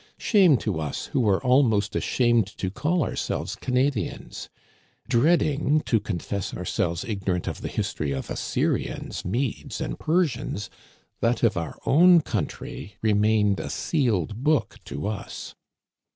Shame to us who were almost ashamed to call ourselves Canadians ! Dreading to con fess ourselves ignorant of the history of Assyrians, Medes, and Persians, that of our own country remained a sealed book to us.